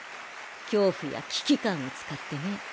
恐怖や危機感を使ってね。